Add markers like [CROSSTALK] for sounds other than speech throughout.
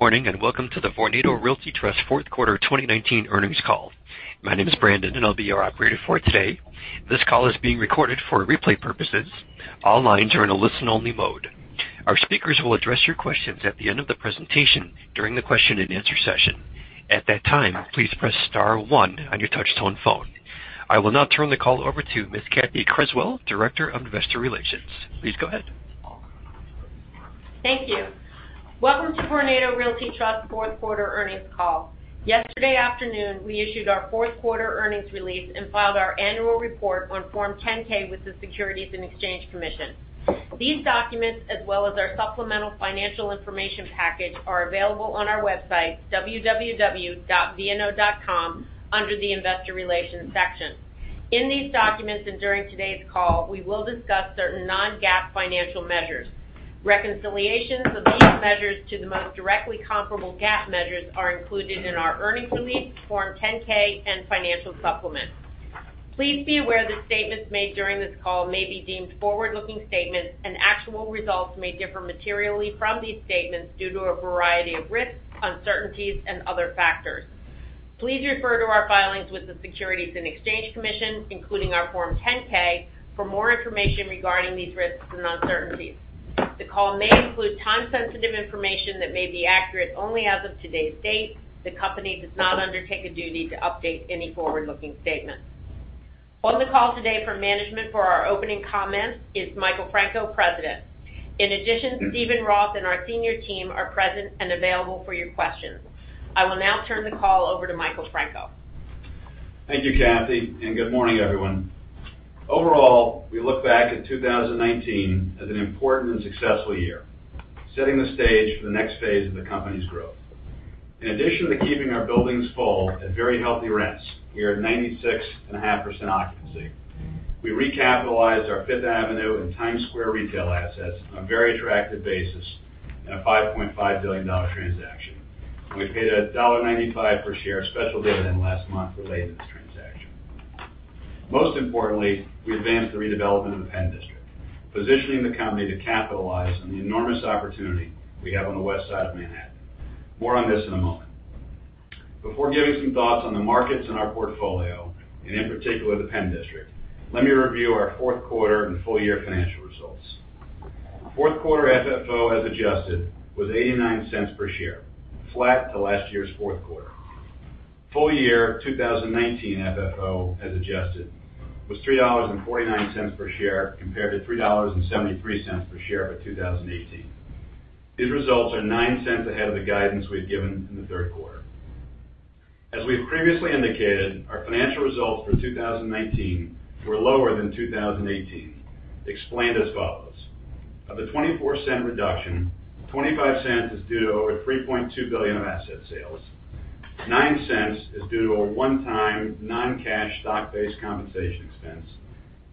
Good morning, welcome to the Vornado Realty Trust Q4 2019 earnings call. My name is Brandon, I'll be your operator for today. This call is being recorded for replay purposes. All lines are in a listen-only mode. Our speakers will address your questions at the end of the presentation during the question and answer session. At that time, please press star one on your touch-tone phone. I will now turn the call over to Ms. Cathy Criswell, Director of Investor Relations. Please go ahead. Thank you. Welcome to Vornado Realty Trust Q4 earnings call. Yesterday afternoon, we issued our Q4 earnings release and filed our annual report on Form 10-K with the Securities and Exchange Commission. These documents, as well as our supplemental financial information package, are available on our website, www.vno.com, under the investor relations section. In these documents and during today's call, we will discuss certain non-GAAP financial measures. Reconciliations of these measures to the most directly comparable GAAP measures are included in our earnings release, Form 10-K, and financial supplement. Please be aware that statements made during this call may be deemed forward-looking statements, and actual results may differ materially from these statements due to a variety of risks, uncertainties, and other factors. Please refer to our filings with the Securities and Exchange Commission, including our Form 10-K, for more information regarding these risks and uncertainties. The call may include time-sensitive information that may be accurate only as of today's date. The company does not undertake a duty to update any forward-looking statement. On the call today from management for our opening comments is Michael Franco, President. In addition, Steven Roth and our senior team are present and available for your questions. I will now turn the call over to Michael Franco. Thank you, Cathy, and good morning, everyone. Overall, we look back at 2019 as an important and successful year, setting the stage for the next phase of the company's growth. In addition to keeping our buildings full at very healthy rents, we are at 96.5% occupancy. We recapitalized our Fifth Avenue and Times Square retail assets on a very attractive basis in a $5.5 billion transaction. We paid a $1.95 per share special dividend last month related to this transaction. Most importantly, we advanced the redevelopment of the PENN District, positioning the company to capitalize on the enormous opportunity we have on the West Side of Manhattan. More on this in a moment. Before giving some thoughts on the markets and our portfolio, and in particular, the PENN District, let me review our Q4 and full year financial results. Q4 FFO, as adjusted, was $0.89 per share, flat to last year's Q4. Full year 2019 FFO, as adjusted, was $3.49 per share, compared to $3.73 per share for 2018. These results are $0.09 ahead of the guidance we had given in the Q3. As we've previously indicated, our financial results for 2019 were lower than 2018, explained as follows. Of the $0.24 reduction, $0.25 is due to over $3.2 billion of asset sales, $0.09 is due to a one-time non-cash stock-based compensation expense,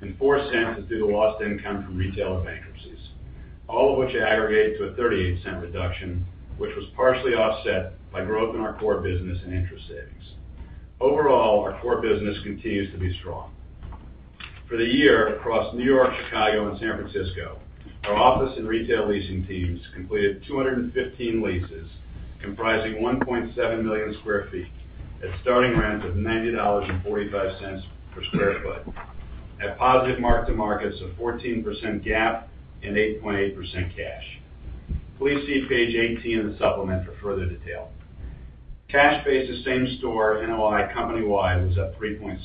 and $0.04 is due to lost income from retail and bankruptcies, all of which aggregate to a $0.38 reduction, which was partially offset by growth in our core business and interest savings. Overall, our core business continues to be strong. For the year across N.Y., Chicago, and San Francisco, our office and retail leasing teams completed 215 leases comprising 1.7 million sq ft at starting rents of $90.45 per sq ft at positive mark-to-markets of 14% GAAP and 8.8% cash. Please see page 18 in the supplement for further detail. Cash basis same store NOI company-wide was up 3.6%.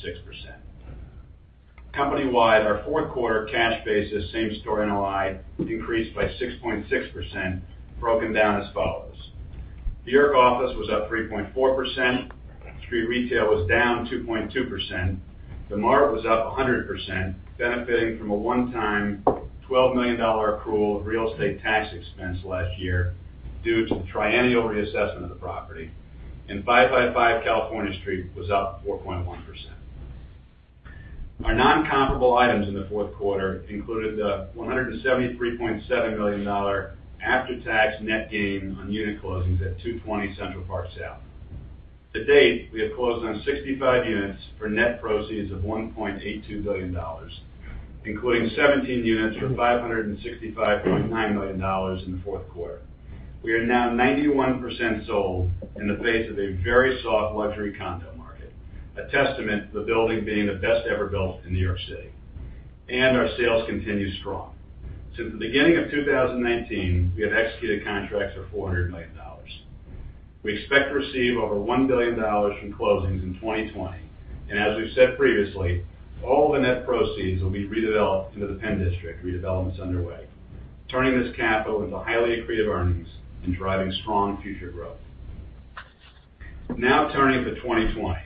Company-wide, our Q4 cash basis same store NOI increased by 6.6%, broken down as follows. The N.Y. office was up 3.4%, street retail was down 2.2%, THE MART was up 100%, benefiting from a one-time $12 million accrual of real estate tax expense last year due to the triennial reassessment of the property, and 555 California Street was up 4.1%. Our non-comparable items in the Q4 included the $173.7 million after-tax net gain on unit closings at 220 Central Park South. To date, we have closed on 65 units for net proceeds of $1.82 billion, including 17 units for $565.9 million in the Q4. We are now 91% sold in the face of a very soft luxury condo market, a testament to the building being the best ever built in New York City, and our sales continue strong. Since the beginning of 2019, we have executed contracts for $400 million. We expect to receive over $1 billion from closings in 2020, and as we've said previously, all the net proceeds will be redeveloped into the PENN District redevelopment that's underway, turning this capital into highly accretive earnings and driving strong future growth. Turning to 2020,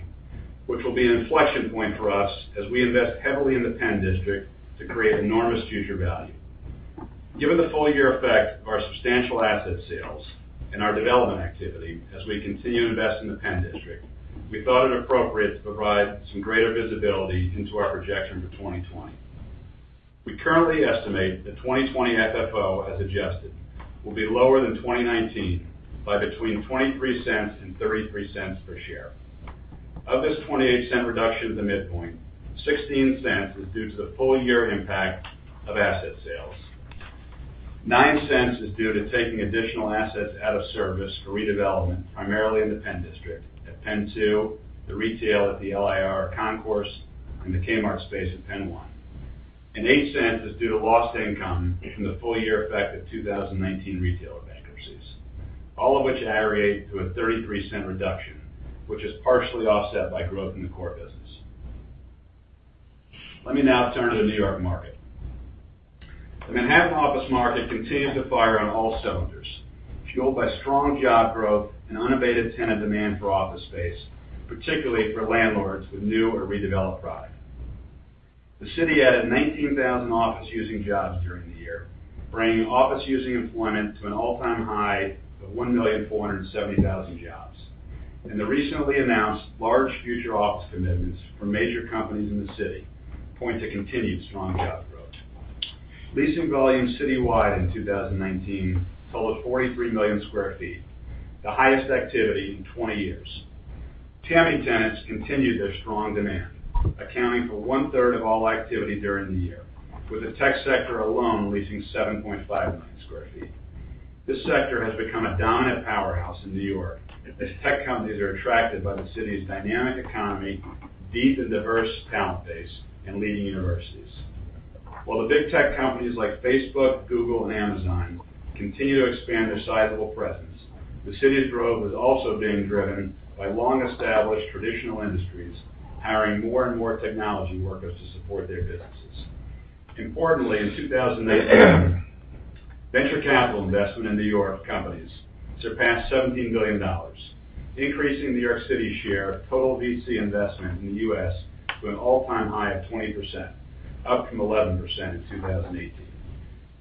which will be an inflection point for us as we invest heavily in the PENN District to create enormous future value. Given the full year effect of our substantial asset sales and our development activity as we continue to invest in the PENN District, we thought it appropriate to provide some greater visibility into our projection for 2020. We currently estimate that 2020 FFO, as adjusted, will be lower than 2019 by between $0.23 and $0.33 per share. Of this $0.28 reduction at the midpoint, $0.16 is due to the full year impact of asset sales. $0.09 is due to taking additional assets out of service for redevelopment, primarily in the PENN District, at PENN 2, the retail at the LIRR Concourse, and the Kmart space at PENN 1. And $0.08 is due to lost income from the full year effect of 2019 retailer bankruptcies. All of which aggregate to a $0.33 reduction, which is partially offset by growth in the core business. Let me now turn to the New York market. The Manhattan office market continues to fire on all cylinders, fueled by strong job growth and unabated tenant demand for office space, particularly for landlords with new or redeveloped product. The city added 19,000 office using jobs during the year, bringing office using employment to an all-time high of 1,470,000 jobs. The recently announced large future office commitments from major companies in the city point to continued strong job growth. Leasing volume citywide in 2019 totaled 43 million sq ft, the highest activity in 20 years. TAMI tenants continued their strong demand, accounting for one-third of all activity during the year, with the tech sector alone leasing 7.5 million sq ft. This sector has become a dominant powerhouse in New York as tech companies are attracted by the city's dynamic economy, deep and diverse talent base, and leading universities. While the big tech companies like Facebook, Google, and Amazon continue to expand their sizable presence, the city's growth is also being driven by long-established traditional industries, hiring more and more technology workers to support their businesses. Importantly, in 2019, venture capital investment in New York companies surpassed $17 billion, increasing New York City's share of total VC investment in the U.S. to an all-time high of 20%, up from 11% in 2018.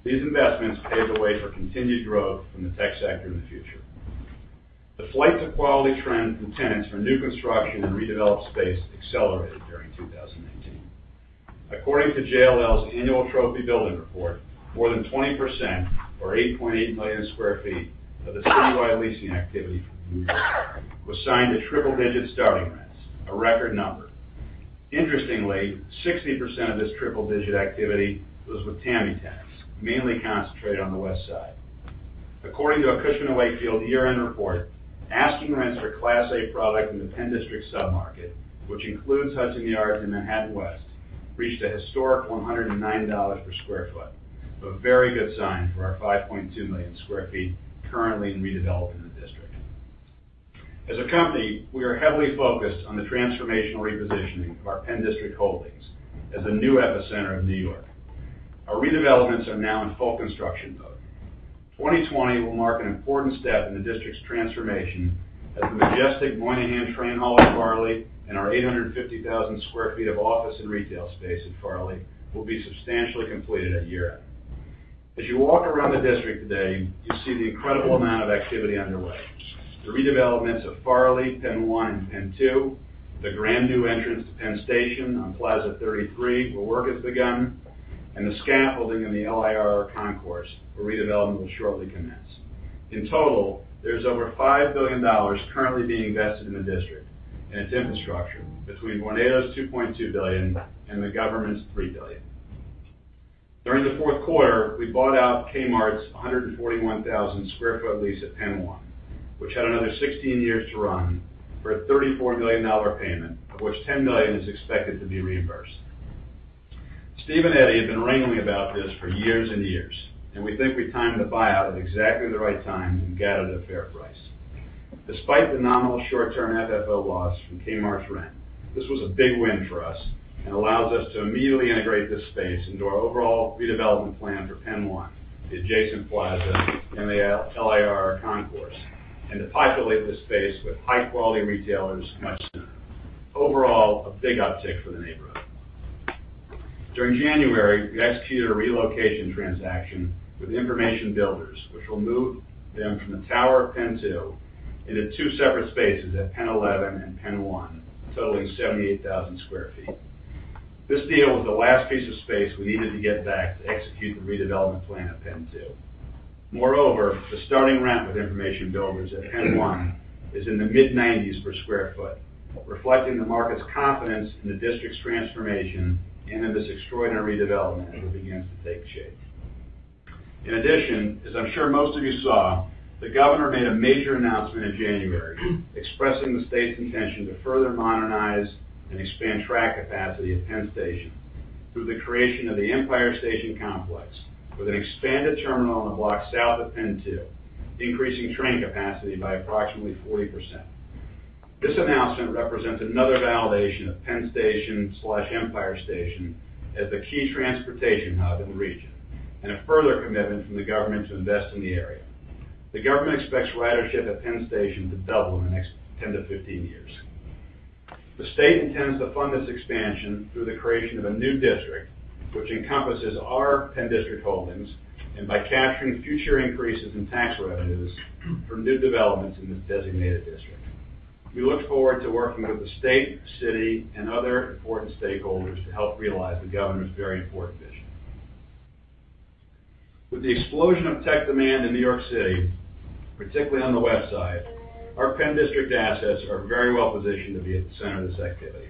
These investments pave the way for continued growth from the tech sector in the future. The flight to quality trend from tenants for new construction and redeveloped space accelerated during 2019. According to JLL's annual trophy building report, more than 20%, or 8.8 million sq ft of the citywide leasing activity from New York was signed to triple-digit starting rents, a record number. Interestingly, 60% of this triple-digit activity was with TAMI tenants, mainly concentrated on the west side. According to a Cushman & Wakefield year-end report, asking rents for Class A product in the PENN District sub-market, which includes Hudson Yards and Manhattan West, reached a historic $109 per square foot. A very good sign for our 5.2 million square feet currently in redevelopment in the district. As a company, we are heavily focused on the transformational repositioning of our PENN District holdings as a new epicenter of New York. Our redevelopments are now in full construction mode. 2020 will mark an important step in the district's transformation as the majestic Moynihan Train Hall at Farley and our 850,000 square feet of office and retail space at Farley will be substantially completed at year-end. As you walk around the district today, you see the incredible amount of activity underway. The redevelopments of Farley, PENN 1, and PENN 2, the brand-new entrance to Penn Station on Plaza33 where work has begun, and the scaffolding in the LIRR Concourse where redevelopment will shortly commence. In total, there's over $5 billion currently being invested in the district and its infrastructure between Vornado's $2.2 billion and the government's $3 billion. During the Q4, we bought out Kmart's 141,000sq ft lease at PENN 1, which had another 16 years to run, for a $34 million payment, of which $10 million is expected to be reimbursed. Steve and Eddie have been wrangling about this for years and years, and we think we timed the buyout at exactly the right time and gathered a fair price. Despite the nominal short-term FFO loss from Kmart's rent, this was a big win for us and allows us to immediately integrate this space into our overall redevelopment plan for PENN 1, the adjacent plaza, and the LIRR Concourse, and to populate the space with high-quality retailers much sooner. Overall, a big uptick for the neighborhood. During January, we executed a relocation transaction with Information Builders, which will move them from the tower of PENN 2 into two separate spaces at PENN 11 and PENN 1, totaling 78,000sq ft. This deal was the last piece of space we needed to get back to execute the redevelopment plan at PENN 2. Moreover, the starting rent with Information Builders at PENN 1 is in the mid-90s per sq ft, reflecting the market's confidence in the district's transformation and of this extraordinary development that begins to take shape. In addition, as I'm sure most of you saw, the governor made a major announcement in January expressing the state's intention to further modernize and expand track capacity at Penn Station through the creation of the Empire Station Complex with an expanded terminal on the block south of PENN 2, increasing train capacity by approximately 40%. This announcement represents another validation of Penn Station/Empire Station as the key transportation hub in the region and a further commitment from the government to invest in the area. The government expects ridership at Penn Station to double in the next 10 to 15 years. The state intends to fund this expansion through the creation of a new district, which encompasses our PENN District holdings, and by capturing future increases in tax revenues from new developments in this designated district. We look forward to working with the state, city, and other important stakeholders to help realize the governor's very important vision. With the explosion of tech demand in New York City, particularly on the West Side, our PENN District assets are very well positioned to be at the center of this activity.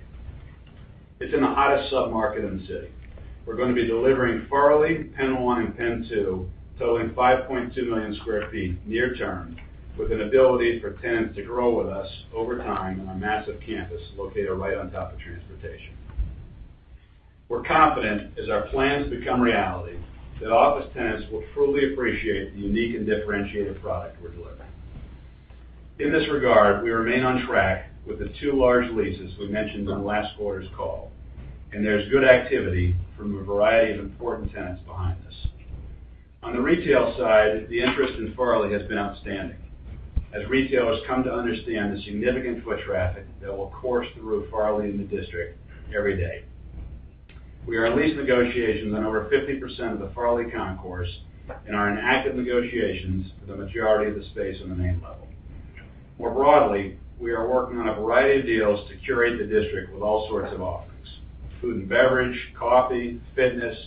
It's in the hottest sub-market in the city. We're going to be delivering Farley, PENN 1, and PENN 2 totaling 5.2 million sq ft near term, with an ability for tenants to grow with us over time on our massive campus located right on top of transportation. We're confident, as our plans become reality, that office tenants will truly appreciate the unique and differentiated product we're delivering. In this regard, we remain on track with the two large leases we mentioned on last quarter's call, and there's good activity from a variety of important tenants behind this. On the retail side, the interest in Farley has been outstanding. As retailers come to understand the significant foot traffic that will course through Farley in the district every day. We are in lease negotiations on over 50% of the Farley concourse and are in active negotiations for the majority of the space on the main level. We are working on a variety of deals to curate the district with all sorts of offerings, food and beverage, coffee, fitness,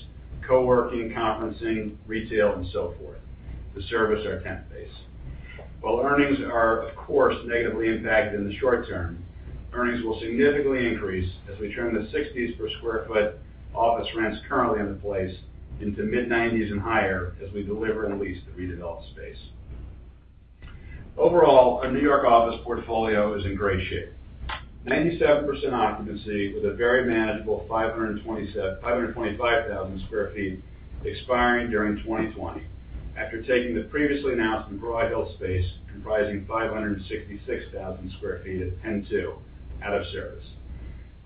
co-working, conferencing, retail, and so forth, to service our tenant base. Earnings are, of course, negatively impacted in the short term, earnings will significantly increase as we turn the $60 per square foot office rents currently in place into mid-$90s and higher as we deliver and lease the redeveloped space. Overall, our New York office portfolio is in great shape, 97% occupancy with a very manageable 525,000sq ft expiring during 2020, after taking the previously announced and broad health space comprising 566,000sq ft at PENN 2 out of service.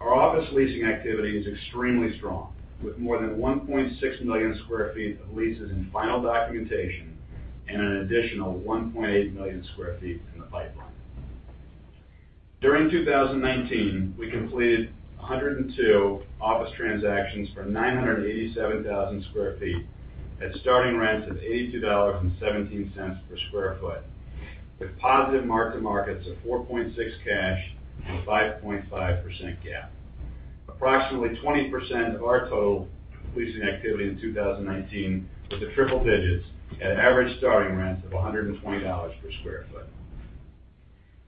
Our office leasing activity is extremely strong, with more than 1.6 million sq ft of leases in final documentation and an additional 1.8 million sq ft in the pipeline. During 2019, we completed 102 office transactions for 987,000sq ft at starting rents of $82.17 per sq ft, with positive mark-to-markets of 4.6% cash and 5.5% GAAP. Approximately 20% of our total leasing activity in 2019 was at triple digits at average starting rents of $120 per sq ft.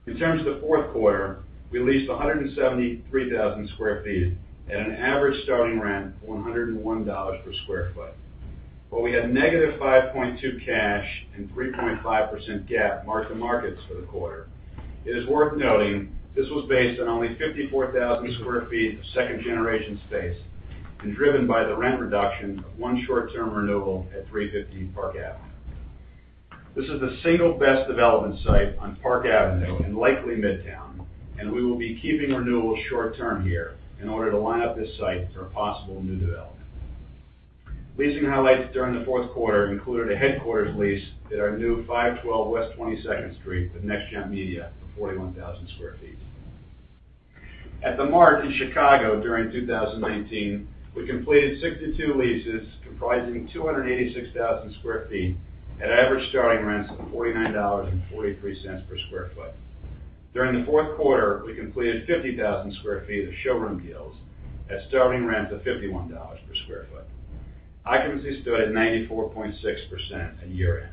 In terms of the Q4, we leased 173,000sq ft at an average starting rent of $101 per sq ft. While we had negative $5.2 cash and 3.5% GAAP mark-to-markets for the quarter, it is worth noting this was based on only 54,000sq ft of second-generation space and driven by the rent reduction of one short-term renewal at 350 Park Avenue. This is the single best development site on Park Avenue and likely Midtown. We will be keeping renewals short-term here in order to line up this site for a possible new development. Leasing highlights during the Q4 included a headquarters lease at our new 512 West 22nd Street with NRG for 41,000sq ft. At THE MART in Chicago during 2019, we completed 62 leases comprising 286,000sq ft at average starting rents of $49.43 per sq ft. During the Q4, we completed 50,000sq ft of showroom deals at starting rents of $51 per sq ft. Occupancy stood at 94.6% at year-end.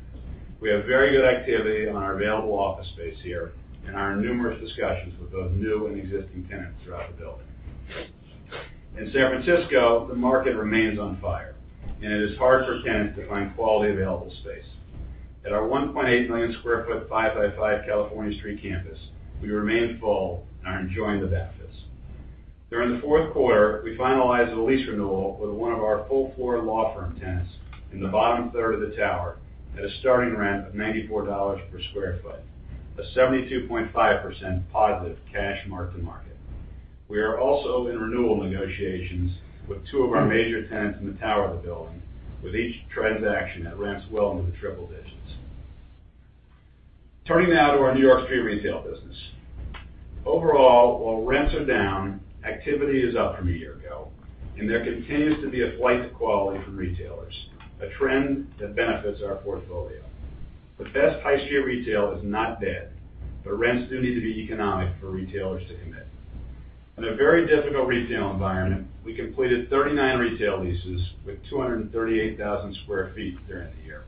We have very good activity on our available office space here and are in numerous discussions with both new and existing tenants throughout the building. In San Francisco, the market remains on fire, and it is hard for tenants to find quality available space. At our 1.8 million sq ft 555 California Street campus, we remain full and are enjoying the benefits. During the Q4, we finalized a lease renewal with one of our full-floor law firm tenants in the bottom third of the tower at a starting rent of $94 per sq ft, a 72.5% positive cash mark-to-market. We are also in renewal negotiations with two of our major tenants in the tower of the building, with each transaction at rents well into the triple digits. Turning now to our New York street retail business. Overall, while rents are down, activity is up from a year ago, and there continues to be a flight to quality from retailers, a trend that benefits our portfolio. The best street retail is not dead, but rents do need to be economic for retailers to commit. In a very difficult retail environment, we completed 39 retail leases with 238,000sq ft during the year,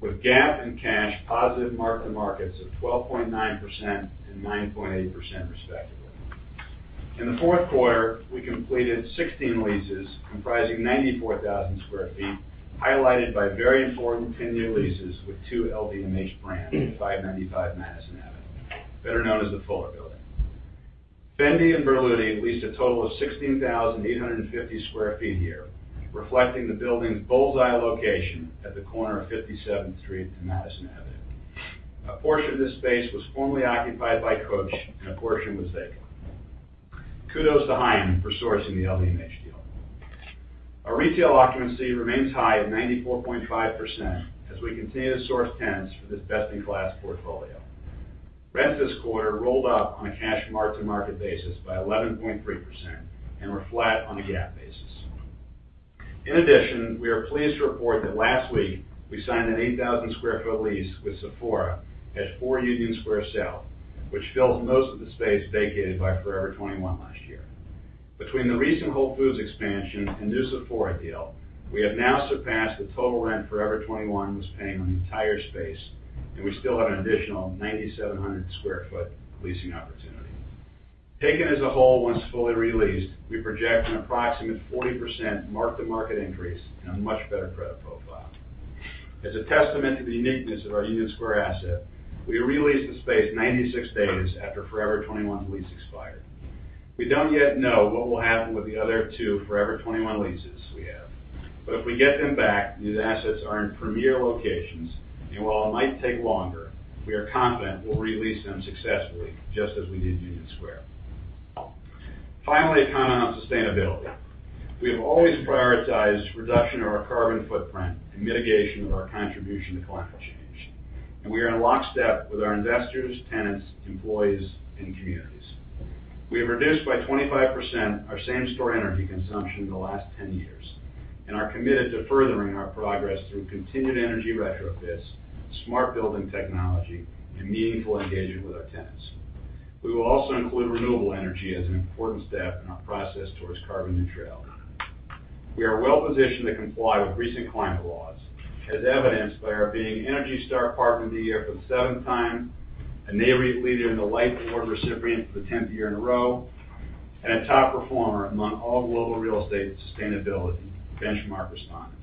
with GAAP and cash positive mark-to-markets of 12.9% and 9.8% respectively. In the Q4, we completed 16 leases comprising 94,000sq ft, highlighted by very important 10-year leases with two LVMH brands at 595 Madison Avenue, better known as the Fuller Building. Fendi and Berluti leased a total of 16,850sq ft here, reflecting the building's bull's eye location at the corner of 57th Street and Madison Avenue. A portion of this space was formerly occupied by Coach, and a portion was vacant. Kudos to Haim for sourcing the LVMH deal. Our retail occupancy remains high at 94.5% as we continue to source tenants for this best-in-class portfolio. Rents this quarter rolled up on a cash mark-to-market basis by 11.3% and were flat on a GAAP basis. In addition, we are pleased to report that last week we signed an 8,000sq ft lease with Sephora at Four Union Square South, which fills most of the space vacated by Forever 21 last year. Between the recent Whole Foods expansion and new Sephora deal, we have now surpassed the total rent Forever 21 was paying on the entire space, and we still have an additional 9,700sq ft leasing opportunity. Taken as a whole, once fully re-leased, we project an approximate 40% mark-to-market increase and a much better credit profile. As a testament to the uniqueness of our Union Square asset, we re-leased the space 96 days after Forever 21's lease expired. We don't yet know what will happen with the other two Forever 21 leases we have. If we get them back, these assets are in premier locations, and while it might take longer, we are confident we'll re-lease them successfully, just as we did Union Square. Finally, a comment on sustainability. We have always prioritized reduction of our carbon footprint and mitigation of our contribution to climate change, and we are in lockstep with our investors, tenants, employees, and communities. We have reduced by 25% our same-store energy consumption in the last 10 years and are committed to furthering our progress through continued energy retrofits, smart building technology, and meaningful engagement with our tenants. We will also include renewable energy as an important step in our process towards carbon neutrality. We are well-positioned to comply with recent climate laws, as evidenced by our being ENERGY STAR Partner of the Year for the seven time, a Nareit Leader in the Light Award recipient for the 10th year in a row, and a top performer among all global real estate sustainability benchmark respondents.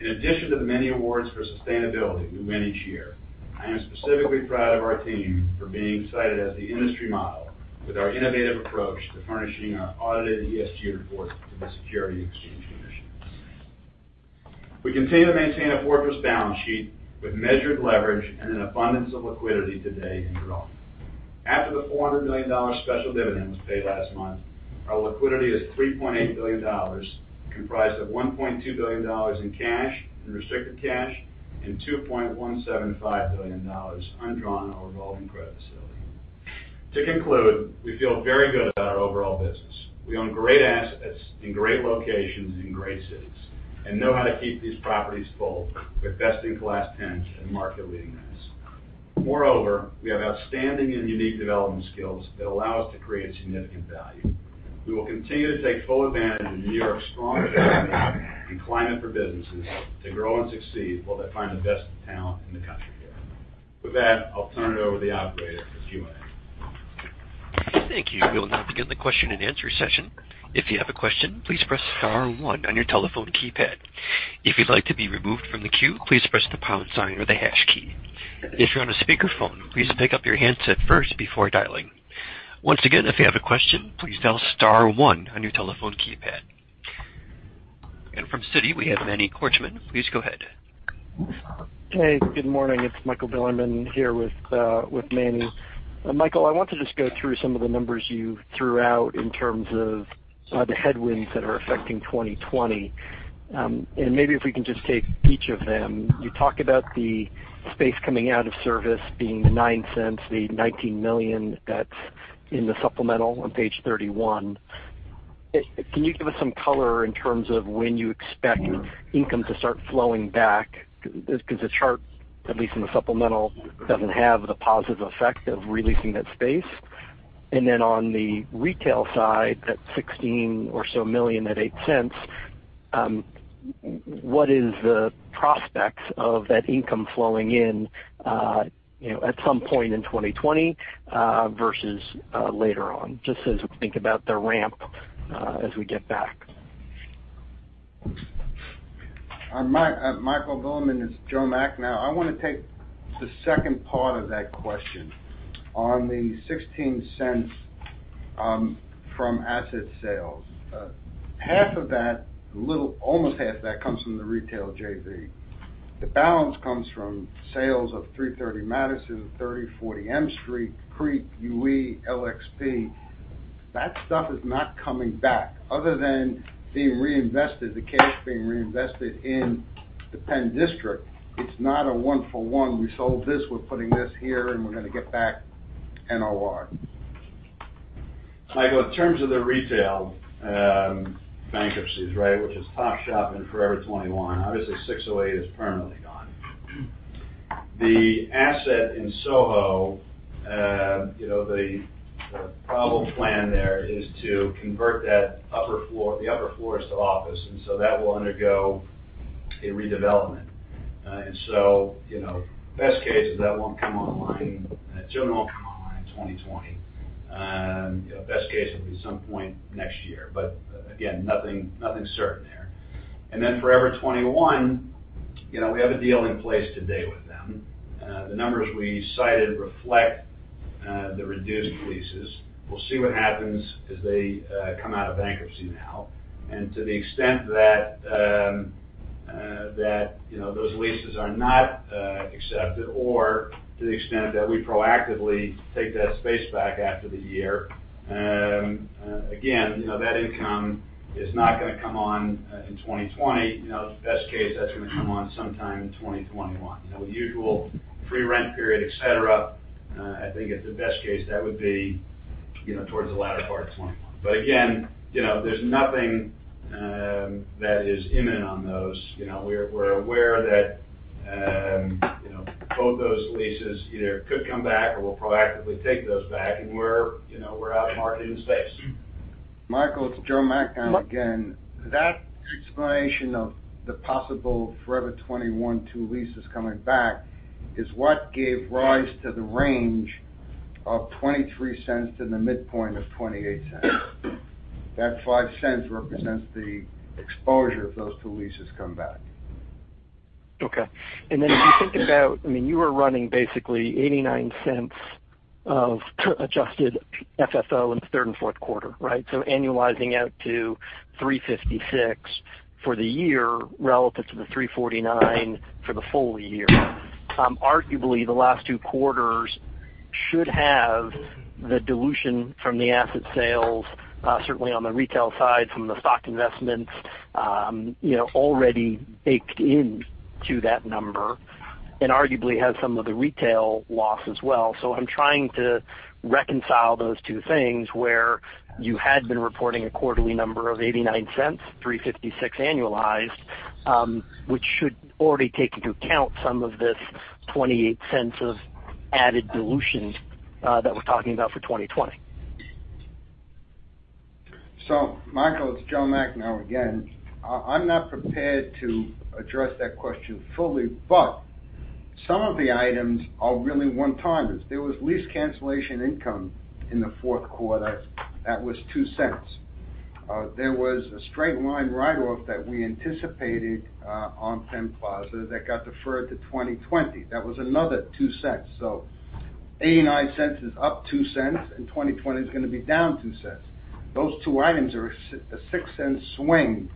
In addition to the many awards for sustainability we win each year, I am specifically proud of our team for being cited as the industry model with our innovative approach to furnishing our audited ESG report to the Securities and Exchange Commission. We continue to maintain a fortress balance sheet with measured leverage and an abundance of liquidity today and growing. After the $400 million special dividend was paid last month, our liquidity is $3.8 billion, comprised of $1.2 billion in cash and restricted cash and $2.175 billion undrawn on our revolving credit facility. To conclude, we feel very good about our overall business. We own great assets in great locations in great cities and know how to keep these properties full with best-in-class tenants and market-leading rents. Moreover, we have outstanding and unique development skills that allow us to create significant value. We will continue to take full advantage of New York's strong economy and climate for businesses to grow and succeed while they find the best talent in the country here. With that, I'll turn it over to the operator for Q&A. Thank you. We'll now begin the question-and-answer session. If you have a question, please press star one on your telephone keypad. If you'd like to be removed from the queue, please press the pound sign or the hash key. If you're on a speakerphone, please pick up your handset first before dialing. Once again, if you have a question, please dial star one on your telephone keypad. From Citi, we have Manny Korchman. Please go ahead. Hey, good morning. It's Michael Bilerman here with Manny. Michael, I want to just go through some of the numbers you threw out in terms of the headwinds that are affecting 2020. Maybe if we can just take each of them. You talked about the space coming out of service being the $0.09, the $19 million that's in the supplemental on page 31. Can you give us some color in terms of when you expect income to start flowing back? Because the chart, at least in the supplemental, doesn't have the positive effect of re-leasing that space. On the retail side, that $16 million or so at $0.08, what is the prospects of that income flowing in at some point in 2020 versus later on, just as we think about the ramp as we get back? Michael Bilerman, it's Joe Macnow. I want to take the second part of that question. On the $0.16 from asset sales, half of that, almost half of that comes from the retail JV. The balance comes from sales of 330 Madison, 3040 M Street, Creek, UE, LXP. That stuff is not coming back other than being reinvested, the cash being reinvested in the PENN District. It's not a one for one, we sold this, we're putting this here, and we're going to get back NOR. Michael, in terms of the retail bankruptcies, right, which is Topshop and Forever 21, obviously 608 is permanently gone. The asset in Soho, the probable plan there is to convert the upper floors to office, and so that will undergo a redevelopment. Best case is that won't come online. It certainly won't come online in 2020. Best case, it'll be some point next year but again, nothing certain there. Forever 21, we have a deal in place today with them. The numbers we cited reflect the reduced leases. We'll see what happens as they come out of bankruptcy now. To the extent that those leases are not accepted or to the extent that we proactively take that space back after the year, again, that income is not going to come on in 2020 now the best case, that's going to come on sometime in 2021 with the usual free rent period, et cetera, I think it's the best case that would be towards the latter part of Forever 21 but again, there's nothing that is imminent on those. We're aware that both those leases either could come back or we'll proactively take those back, and we're out of marketing space. Michael, it's Joe Macnow again. That explanation of the possible Forever 21 two leases coming back is what gave rise to the range of $0.23 to the midpoint of $0.28. That $0.05 represents the exposure if those two leases come back. Okay. If you think about, you were running basically $0.89 of adjusted FFO in the Q3 and Q4, right? annualizing out to $3.56 for the year relative to the $3.49 for the full year. Arguably, the last two quarters should have the dilution from the asset sales, certainly on the retail side from the stock investments- -already baked into that number, and arguably has some of the retail loss as well so i'm trying to reconcile those two things where you had been reporting a quarterly number of $0.89, $3.56 annualized, which should already take into account some of this $0.28 of added dilution that we're talking about for 2020. Michael, it's Joe Macnow again. I'm not prepared to address that question fully, but some of the items are really one-timers there was lease cancellation income in the Q4 that was $0.02. There was a straight-line write-off that we anticipated on Penn Plaza that got deferred to 2020 that was another $0.02 so, $0.89 is up $0.02, and 2020 is going to be down $0.02. Those two items are a $0.06 swing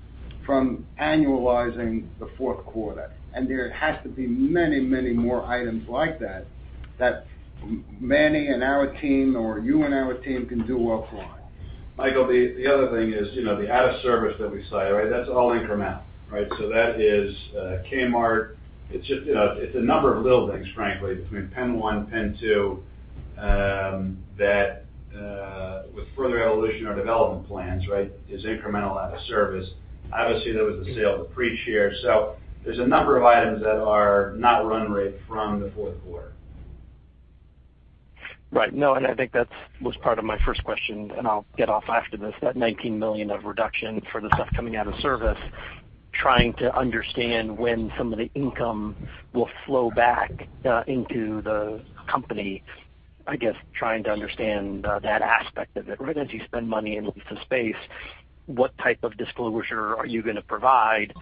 from annualizing the Q4, and there has to be many more items like that that Manny and our team or you and our team can do well for. Michael, the other thing is the out of service that we cite, right? That's all incremental alright, that is Kmart. It's a number of little things, frankly, between PENN 1, PENN 2, that with further evolution or development plans, is incremental out of service. Obviously, there was the sale of the. [UNINTELLIGIBLE] There's a number of items that are not run rate from the Q4. Right. No, I think that was part of my first question, and I'll get off after this, that $19 million of reduction for the stuff coming out of service, trying to understand when some of the income will flow back into the company. I guess trying to understand that aspect of it as you spend money in lease of space, what type of disclosure are you going to provide?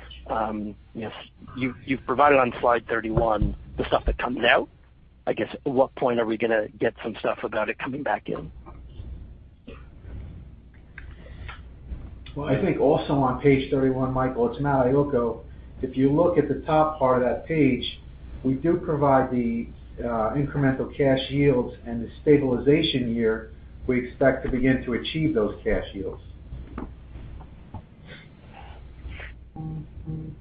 You've provided on slide 31 the stuff that comes out. I guess, at what point are we going to get some stuff about it coming back in? Well, I think also on page 31, Michael, it's Matthew Iocco. If you look at the top part of that page, we do provide the incremental cash yields and the stabilization year we expect to begin to achieve those cash yields.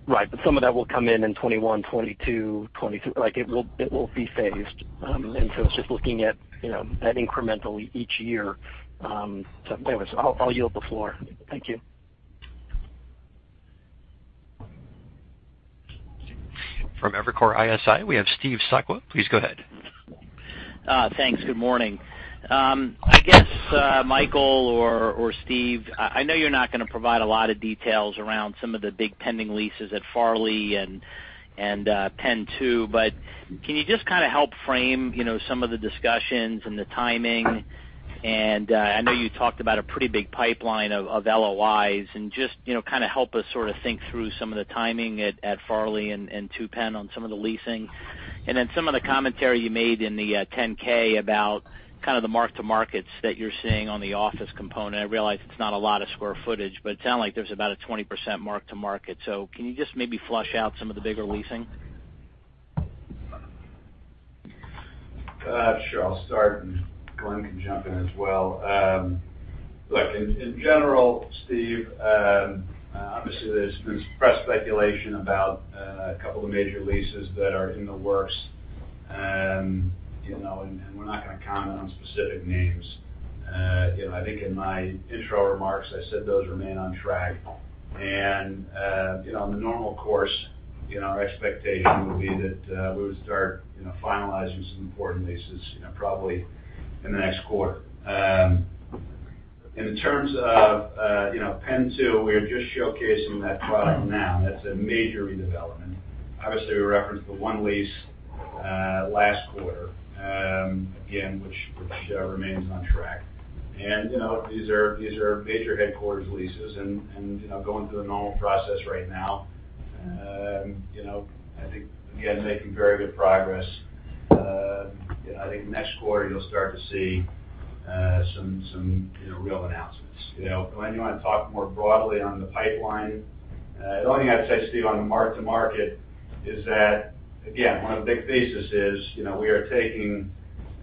Right. Some of that will come in in 2021, 2022. It will be phased. It's just looking at incremental each year. Anyways, I'll yield the floor. Thank you. From Evercore ISI, we have Steve Sakwa. Please go ahead. Thanks. Good morning. I guess, Michael or Steve, I know you're not going to provide a lot of details around some of the big pending leases at Farley and PENN 2, but can you just kind of help frame some of the discussions and the timing? I know you talked about a pretty big pipeline of LOIs and just kind of help us sort of think through some of the timing at Farley and PENN 2 on some of the leasing. Then some of the commentary you made in the Form 10-K about kind of the mark-to-markets that you're seeing on the office component. I realize it's not a lot of square footage, but it sounded like there's about a 20% mark to market. Can you just maybe flush out some of the bigger leasing? Sure. I'll start and Glen can jump in as well. Look, in general, Steve, obviously there's been some press speculation about a couple of major leases that are in the works, and we're not going to comment on specific names. I think in my intro remarks, I said those remain on track. On the normal course, our expectation would be that we would start finalizing some important leases probably in the next quarter. In terms of PENN 2, we're just showcasing that product now that's a major redevelopment. Obviously, we referenced the one lease last quarter, again, which remains on track. These are major headquarters leases and going through the normal process right now. I think, again, making very good progress. I think next quarter you'll start to see some real announcements Glenn, you want to talk more broadly on the pipeline? The only thing I'd say, Steve, on mark to market is that, again, one of the big thesis is,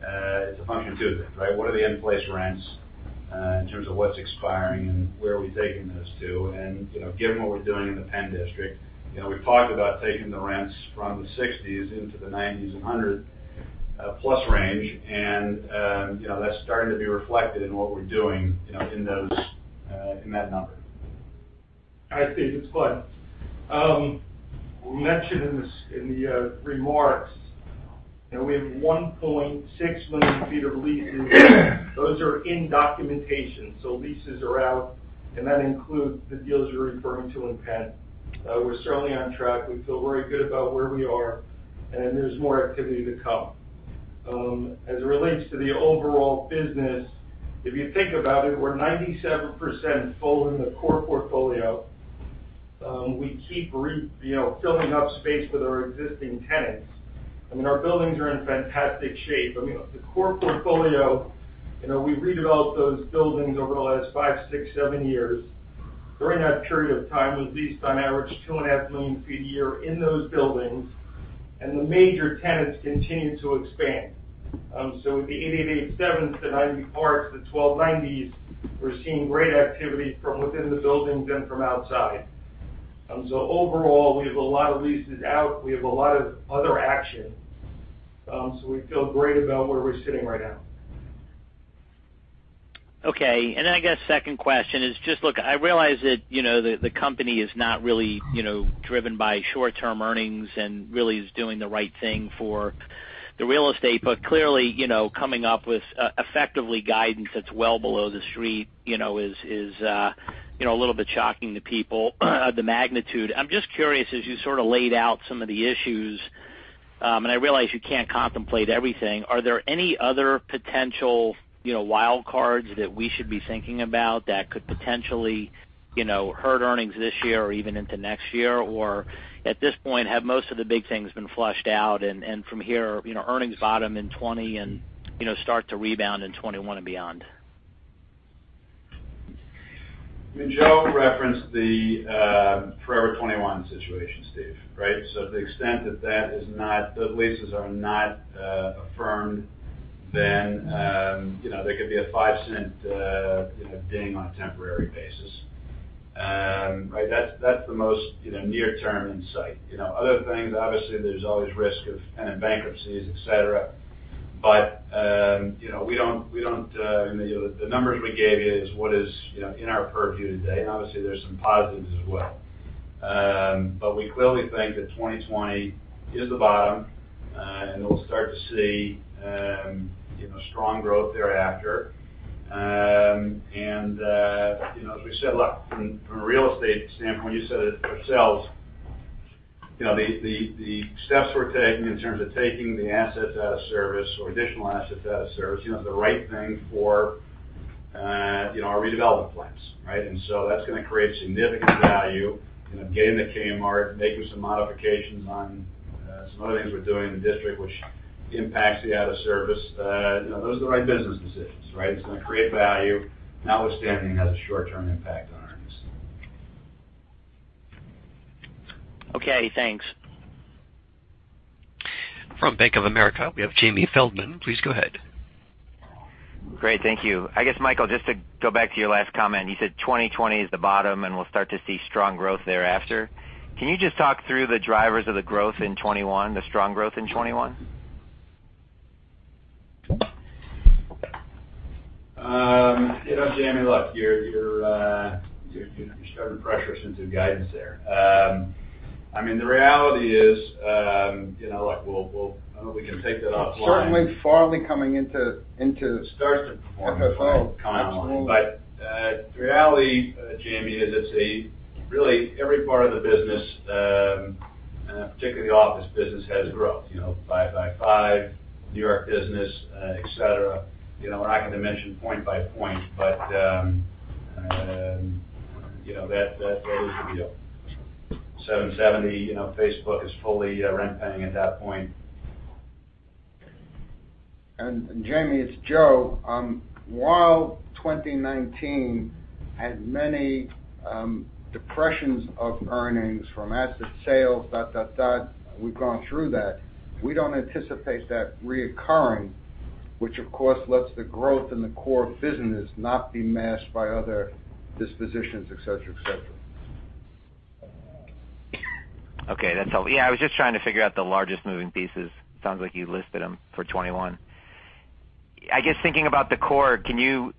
it's a function of two things, right? What are the in-place rents in terms of what's expiring and where are we taking those to? Given what we're doing in the PENN District, we've talked about taking the rents from the $60s into the $90s and $100 plus range. That's starting to be reflected in what we're doing, in that number. Hi, Steve, it's Glenn. We mentioned in the remarks, we have 1.6 million feet of leasing. Those are in documentation, leases are out, that includes the deals you're referring to in PENN. We're certainly on track we feel very good about where we are, there's more activity to come. As it relates to the overall business, if you think about it, we're 97% full in the core portfolio. We keep filling up space with our existing tenants. I mean, our buildings are in fantastic shape. I mean, the core portfolio, we redeveloped those buildings over the last five, six, seven years. During that period of time, we've leased on average 2.5 million feet a year in those buildings, the major tenants continue to expand. With the 888 Seventh Avenue's, the 90 Park Avenue's, the 1290 Avenue of the Americas', we're seeing great activity from within the buildings and from outside. Overall, we have a lot of leases out. We have a lot of other action. We feel great about where we're sitting right now. Okay, I guess second question is just, look, I realize that the company is not really driven by short-term earnings and really is doing the right thing for the real estate, but clearly, coming up with effectively guidance that's well below the street is a little bit shocking to people, the magnitude i'm just curious, as you sort of laid out some of the issues- -and I realize you can't contemplate everything, are there any other potential wild cards that we should be thinking about that could potentially hurt earnings this year or even into next year? At this point, have most of the big things been flushed out, and from here, earnings bottom in 2020, and start to rebound in 2021 and beyond? Joe referenced the Forever 21 situation, Steve, right? to the extent that that is not, those leases are not affirmed, then there could be a $0.05 ding on a temporary basis. Right? that's the most near term in sight. Other things, obviously, there's always risk of tenant bankruptcies, et cetera. The numbers we gave you is what is in our purview today, and obviously there's some positives as well. We clearly think that 2020 is the bottom, and we'll start to see strong growth thereafter. From a real estate standpoint, you said it yourselves, the steps we're taking in terms of taking the asset out of service or additional asset out of service, is the right thing for our redevelopment plans, right? That's gonna create significant value, getting the Kmart, making some modifications on some other things we're doing in the district, which impacts the out of service. Those are the right business decisions, right? It's gonna create value, notwithstanding it has a short-term impact on earnings. Okay, thanks. From Bank of America, we have Jamie Feldman. Please go ahead. Great. Thank you. I guess, Michael, just to go back to your last comment, you said 2020 is the bottom, and we'll start to see strong growth thereafter. Can you just talk through the drivers of the growth in 2021, the strong growth in 2021? Jamie, look, you're starting to pressure us into guidance there. I mean, the reality is, look, I don't know if we can take that offline. We're certainly Farley. Start to perform- FFO. The reality, Jamie, is it's a really, every part of the business, particularly the office business, has growth. 555, New York business, et cetera. We're not going to mention point by point, but that is the deal. 770, Facebook is fully rent-paying at that point. Jamie, it's Joe. While 2019 had many depressions of earnings from asset sales, we've gone through that. We don't anticipate that reoccurring, which of course lets the growth in the core business not be masked by other dispositions, et cetera, et cetera. Okay, that's all. Yeah, I was just trying to figure out the largest moving pieces. Sounds like you listed them for 2021. I guess thinking about the core, can you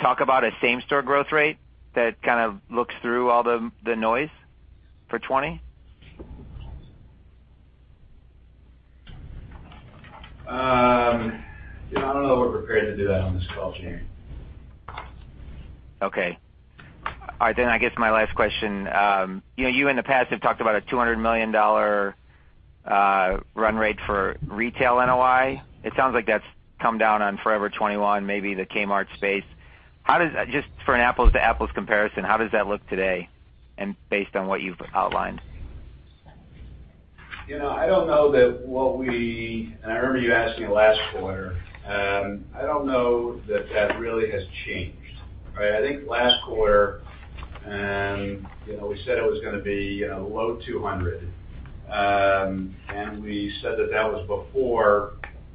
talk about a same store growth rate that kind of looks through all the noise for 2020? I don't know that we're prepared to do that on this call, Jamie. Okay. All right. I guess my last question. You in the past have talked about a $200 million run rate for retail NOI. It sounds like that's come down on Forever 21, maybe the Kmart space. Just for an apples-to-apples comparison, how does that look today? and based on what you've outlined? I don't know that. I remember you asking me last quarter. I don't know that that really has changed, right? I think last quarter, we said it was gonna be low $200 million. We said that that was before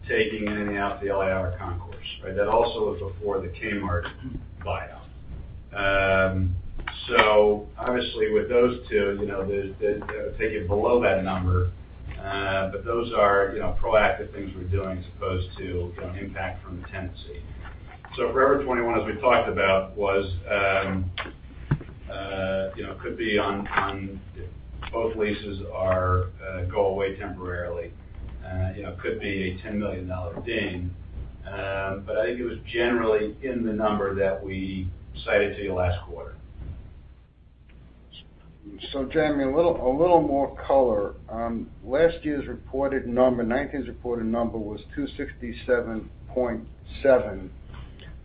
taking in and out the LIRR Concourse, right? That also was before the Kmart buyout. Obviously with those two, they take it below that number. Those are proactive things we're doing as opposed to impact from the tenancy. Forever 21, as we talked about, could be on both leases or go away temporarily. Could be a $10 million ding. I think it was generally in the number that we cited to you last quarter. Jamie, a little more color. Last year's reported number, 2019's reported number was $267.7.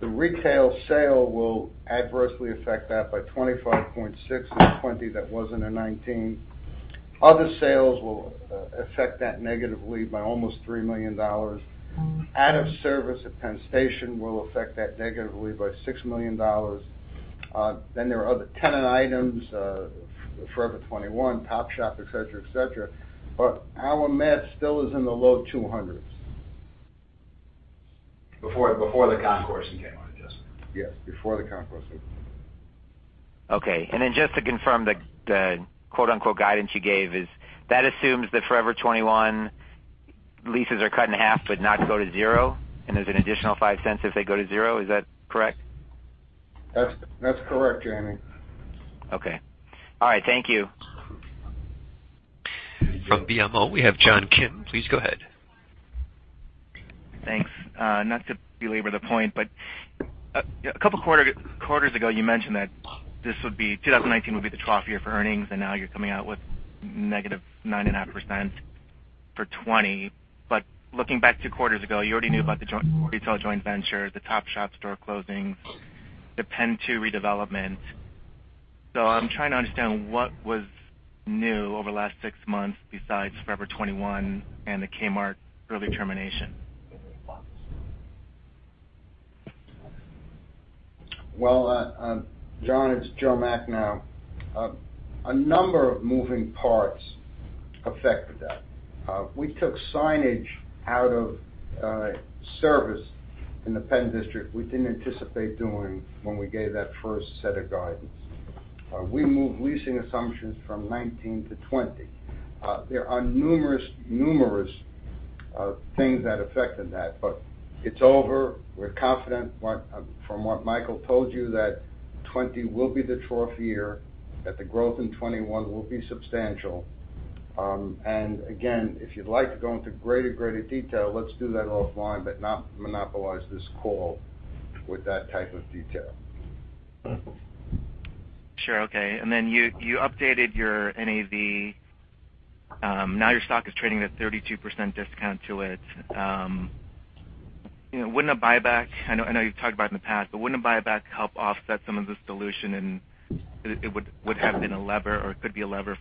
The retail sale will adversely affect that by $25.6 in 2020, that wasn't in 2019. Other sales will affect that negatively by almost $3 million. Out of service at Penn Station will affect that negatively by $6 million. There are other tenant items, Forever 21, Topshop, et cetera. Our math still is in the low 200s. Before the concourse in Kmart adjustment. Yes, before the concourse. Okay. Just to confirm the guidance you gave is, that assumes that Forever 21 leases are cut in half but not go to zero, and there's an additional $0.05 if they go to zero. Is that correct? That's correct, Jamie. Okay. All right, thank you. From BMO, we have John Kim. Please go ahead. Thanks. Not to belabor the point, a couple of quarters ago, you mentioned that 2019 would be the trough year for earnings, and now you're coming out with -9.5% for 2020. Looking back two quarters ago, you already knew about the retail joint venture, the Topshop store closings, the PENN 2 redevelopment. I'm trying to understand what was new over the last six months besides Forever 21 and the Kmart early termination. Well, John, it's Joe Macnow. A number of moving parts affected that. We took signage out of service in the PENN District we didn't anticipate doing when we gave that first set of guidance. We moved leasing assumptions from 2019 to 2020. There are numerous things that affected that. It's over, we're confident from what Michael told you, that 2020 will be the trough year, that the growth in 2021 will be substantial. Again, if you'd like to go into greater detail, let's do that offline, but not monopolize this call with that type of detail. Sure. Okay. You updated your NAV. Now your stock is trading at a 32% discount to it. Wouldn't a buyback, I know you've talked about it in the past, but wouldn't a buyback help offset some of this dilution and it would have been a lever or could be a lever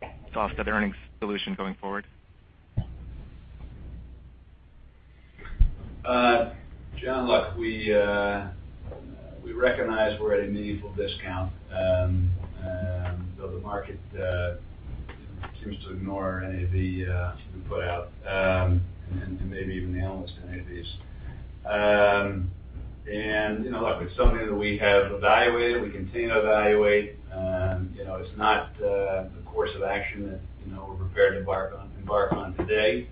to offset earnings dilution going forward? John, look, we recognize we're at a meaningful discount. The market seems to ignore our NAV we put out, and maybe even the analyst NAVs. Look, it's something that we have evaluated, we continue to evaluate. It's not the course of action that we're prepared to embark on today.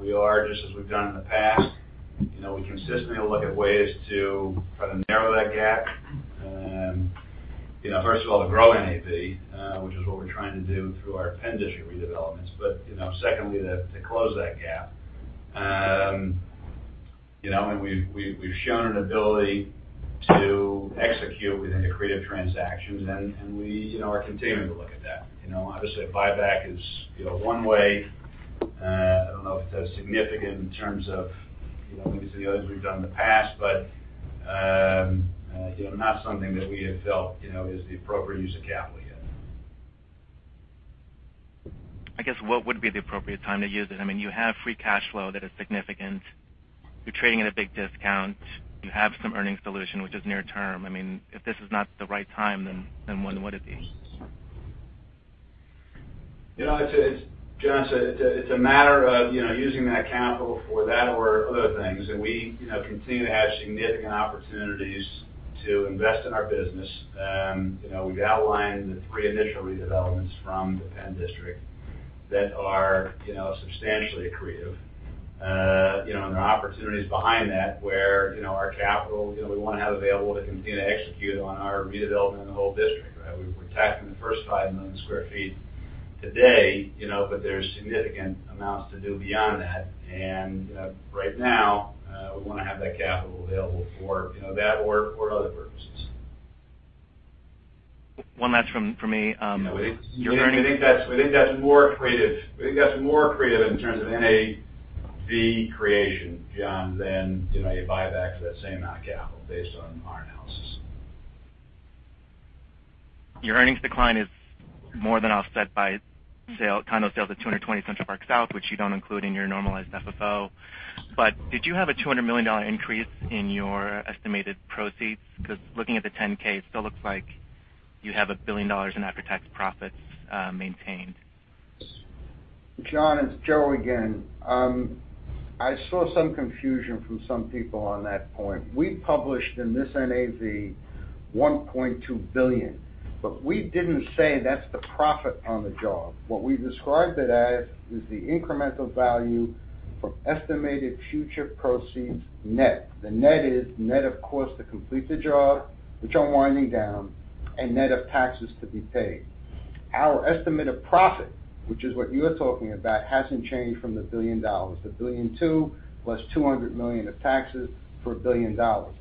We are, just as we've done in the past, we consistently look at ways to try to narrow that gap. First of all, to grow NAV, which is what we're trying to do through our PENN District redevelopments but secondly, to close that gap. We've shown an ability to execute within the creative transactions and we are continuing to look at that. Obviously, a buyback is one way. I don't know if it's as significant in terms of maybe some of the others we've done in the past, but not something that we have felt is the appropriate use of capital yet. I guess what would be the appropriate time to use it? You have free cash flow that is significant. You're trading at a big discount. You have some earnings dilution, which is near term. If this is not the right time, then when would it be? John, it's a matter of using that capital for that or other things, and we continue to have significant opportunities to invest in our business. We've outlined the three initial redevelopments from the PENN District that are substantially accretive. There are opportunities behind that where our capital, we want to have available to continue to execute on our redevelopment in the whole district we're attacking the first 5 million square feet today, but there's significant amounts to do beyond that. Right now, we want to have that capital available for that or other purposes. One last from me. We think that's more accretive in terms of NAV creation, John, than a buyback for that same amount of capital based on our analysis. Your earnings decline is more than offset by condo sales at 220 Central Park South, which you don't include in your normalized FFO. Did you have a $200 million increase in your estimated proceeds? Looking at the 10-K, it still looks like you have $1 billion in after-tax profits maintained. John, it's Joe again. I saw some confusion from some people on that point we published in this NAV $1.2 billion, but we didn't say that's the profit on the job, what we described it as is the incremental value from estimated future proceeds net. The net is net, of course, to complete the job, which I'm winding down, and net of taxes to be paid. Our estimate of profit, which is what you're talking about, hasn't changed from the $1 billion the $1.2 billion plus $200 million of taxes for $1 billion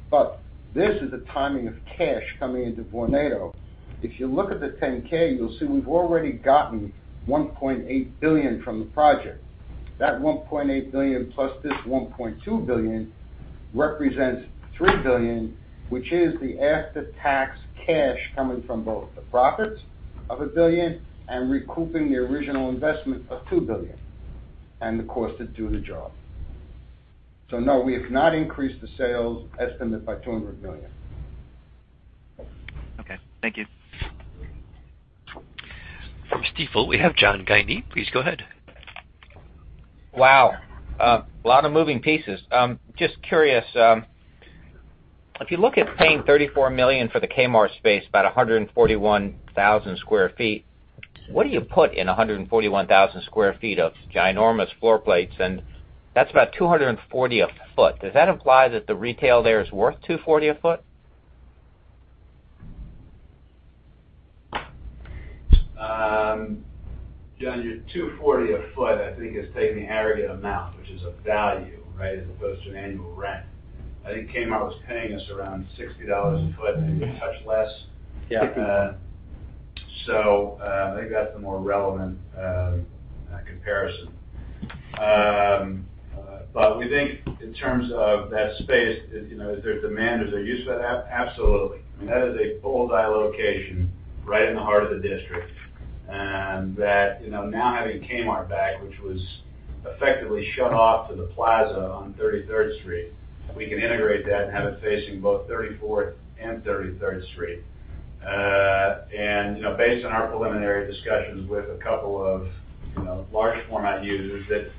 but, this is the timing of cash coming into Vornado. If you look at the 10-K, you'll see we've already gotten $1.8 billion from the project. That $1.8 billion plus this $1.2 billion represents $3 billion, which is the after-tax cash coming from both the profits of $1 billion and recouping the original investment of $2 billion, and the cost to do the job. No, we have not increased the sales estimate by $200 million. Okay. Thank you. From Stifel, we have John Guinee. Please go ahead. Wow. A lot of moving pieces. Just curious, if you look at paying $34 million for the Kmart space, about 141,000sq ft, what do you put in 141,000sq ft of ginormous floor plates and that's about $240 a foot. Does that imply that the retail there is worth $240 a foot? John, your $240 a foot I think is taking the aggregate amount, which is a value, as opposed to an annual rent. I think Kmart was paying us around $60 a foot, maybe a touch less. Yeah. I think that's the more relevant comparison. We think in terms of that space, is there demand? Is there use for that? absolutely i mean, that is a bull's-eye location right in the heart of the district, and that now having Kmart back, which was effectively shut off to the plaza on 33rd Street, we can integrate that and have it facing both 34th and 33rd Street. Based on our preliminary discussions with a couple of large format users that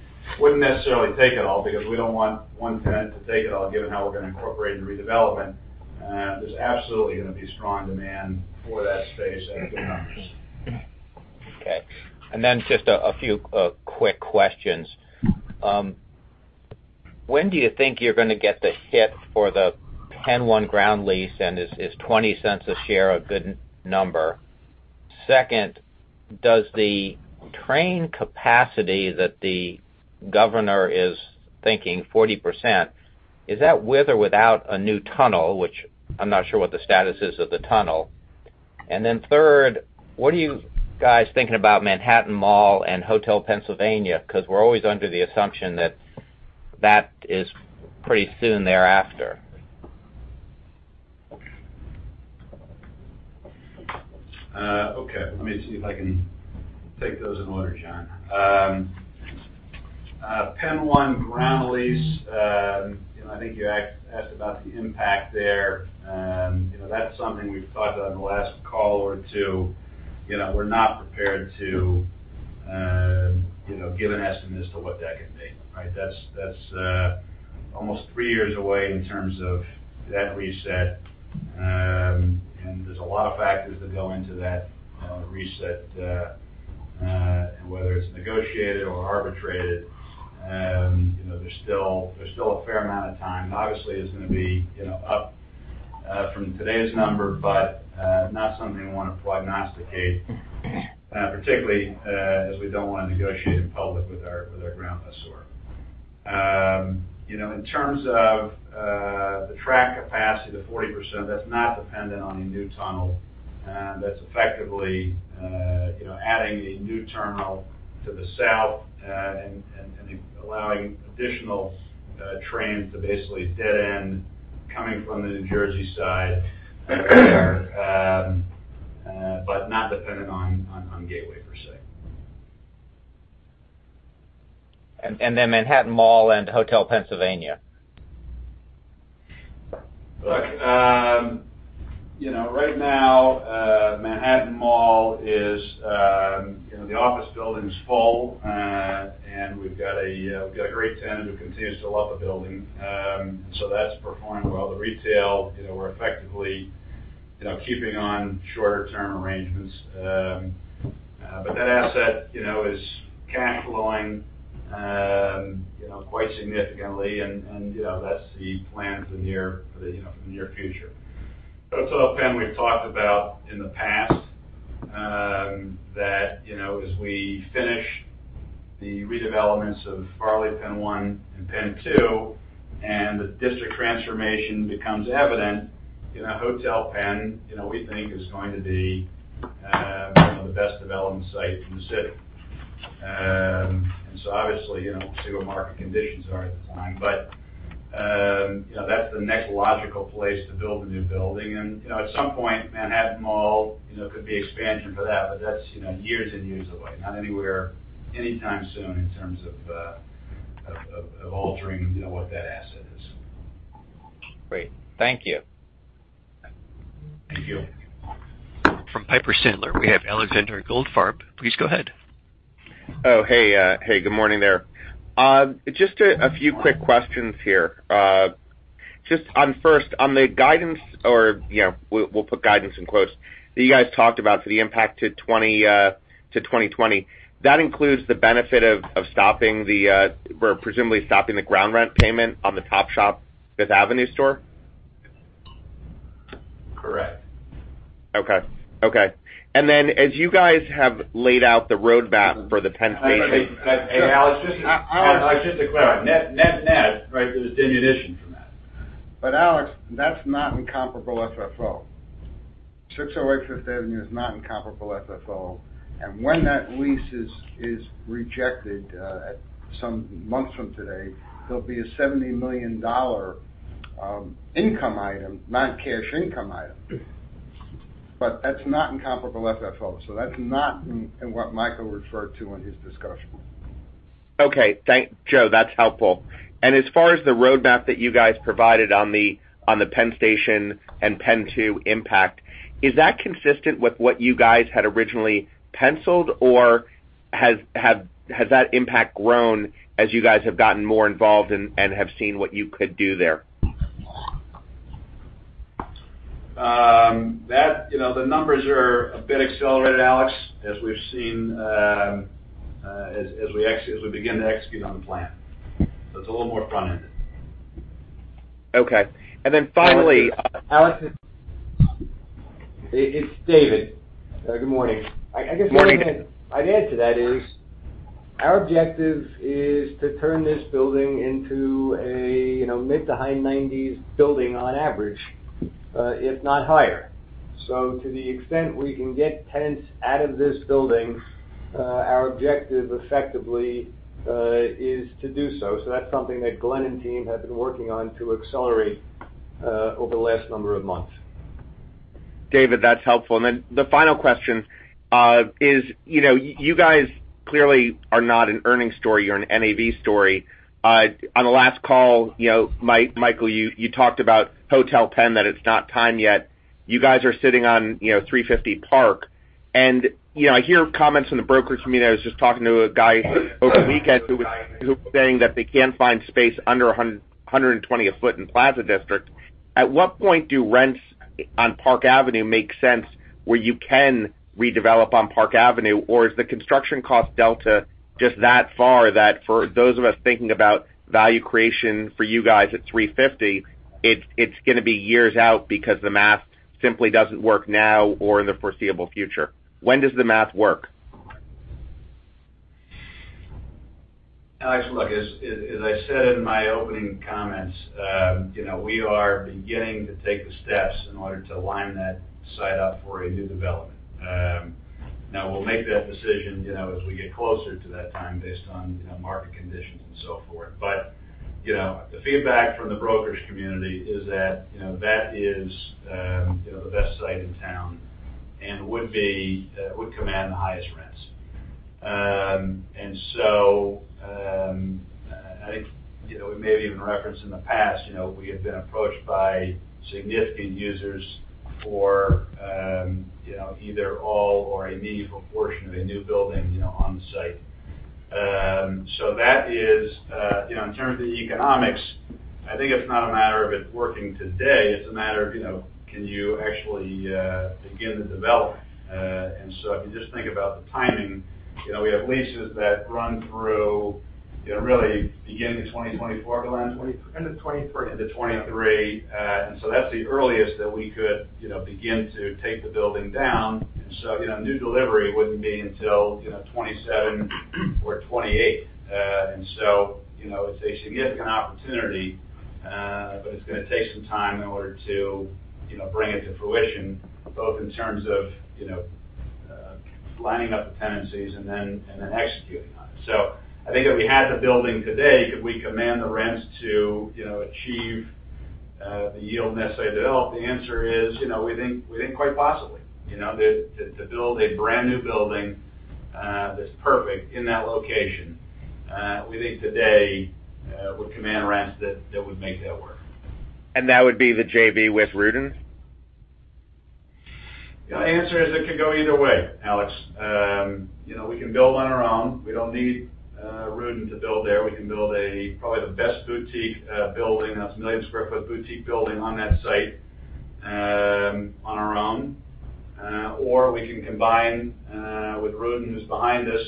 wouldn't necessarily take it all because we don't want one tenant to take it all, given how we're going to incorporate the redevelopment. There's absolutely going to be strong demand for that space at good numbers. Okay. Just a few quick questions. When do you think you're going to get the hit for the PENN 1 ground lease, and is $0.20 a share a good number? Second, does the train capacity that the governor is thinking, 40%, is that with or without a new tunnel? which, I'm not sure what the status is of the tunnel. Third, what are you guys thinking about Manhattan Mall and Hotel Pennsylvania? Because we're always under the assumption that that is pretty soon thereafter. Okay. Let me see if I can take those in order, John. PENN 1 ground lease, I think you asked about the impact there. That's something we've talked about on the last call or two. We're not prepared to give an estimate as to what that could be. That's almost three years away in terms of that reset. There's a lot of factors that go into that reset, whether it's negotiated or arbitrated. There's still a fair amount of time and obviously, it's going to be up from today's number, not something we want to prognosticate, particularly as we don't want to negotiate in public with our ground lessor. In terms of the track capacity, the 40%, that's not dependent on a new tunnel. That's effectively adding a new terminal to the south and allowing additional trains to basically dead end coming from the New Jersey side there, but not dependent on gateway per se. Manhattan Mall and Hotel Pennsylvania. Look, right now, Manhattan Mall is the office building's full. We've got a great tenant who continues to love the building. That's performing well the retail, we're effectively keeping on shorter-term arrangements. That asset is cash flowing quite significantly, and that's the plan for the near future. Hotel Penn, we've talked about in the past that as we finish the redevelopments of Farley, PENN 1, and PENN 2, and the district transformation becomes evident, Hotel Penn, we think is going to be the best development site in the city. Obviously, we'll see what market conditions are at the time, but that's the next logical place to build a new building at some point, Manhattan Mall, could be expansion for that, but that's years and years away not anywhere, anytime soon in terms of altering what that asset is. Great. Thank you. Thank you. From Piper Sandler, we have Alexander Goldfarb. Please go ahead. Oh, hey good morning there. Just a few quick questions here. Just on first, on the guidance, or we'll put guidance in quotes that you guys talked about for the impact to 2020. That includes the benefit of presumably stopping the ground rent payment on the Topshop Fifth Avenue store? Correct. Okay. As you guys have laid out the roadmap for the Penn Station. Hey, Alex, just to clarify, net there's diminution from that. Alex, that's not in comparable FFO. 608 Fifth Avenue is not in comparable FFO, and when that lease is rejected some months from today, there'll be a $70 million income item, non-cash income item. That's not in comparable FFO, so that's not in what Michael referred to in his discussion. Okay. Joe, that's helpful. As far as the roadmap that you guys provided on the Penn Station and PENN 2 impact, is that consistent with what you guys had originally penciled? or has that impact grown as you guys have gotten more involved and have seen what you could do there? The numbers are a bit accelerated, Alex, as we've seen as we begin to execute on the plan. It's a little more front-ended. Okay. Then finally. Alex, it's David. Good morning. Morning. I guess what I'd add to that is, our objective is to turn this building into a mid to high nineties building on average if not higher. To the extent we can get tenants out of this building, our objective effectively is to do so that's something that Glenn and team have been working on to accelerate over the last number of months. David, that's helpful. The final question is, you guys clearly are not an earnings story you're an NAV story. On the last call, Michael you talked about Hotel Penn, that it's not time yet. You guys are sitting on 350 Park, I hear comments from the brokerage community i was just talking to a guy over the weekend who was saying that they can't find space under $120 a foot in Plaza District. At what point do rents on Park Avenue make sense where you can redevelop on Park Avenue? Is the construction cost delta just that far, that for those of us thinking about value creation for you guys at 350, it's going to be years out because the math simply doesn't work now or in the foreseeable future. When does the math work? Alex, look, as I said in my opening comments, we are beginning to take the steps in order to line that site up for a new development. We'll make that decision as we get closer to that time based on market conditions and so forth. The feedback from the brokerage community is that is the best site in town and would command the highest rents. I think we may have even referenced in the past, we have been approached by significant users for either all or a meaningful portion of a new building on the site. That is in terms of the economics, I think it's not a matter of it working today, it's a matter of can you actually begin to develop. If you just think about the timing, we have leases that run through really beginning of 2024, Glenn? End of 2023. End of 2023. That's the earliest that we could begin to take the building down. New delivery wouldn't be until 2027 or 2028. It's a significant opportunity, but it's going to take some time in order to bring it to fruition, both in terms of lining up the tenancies and then executing on it. I think if we had the building today, could we command the rents to achieve the yield necessary to develop? The answer is, we think quite possibly. To build a brand new building that's perfect in that location we think today would command rents that would make that work. That would be the JV with Rudin? The answer is, it could go either way, Alex. We can build on our own. We don't need Rudin to build there we can build probably the best boutique building, that's a 1 million sq ft boutique building on that site on our own. Or we can combine with Rudin, who's behind us,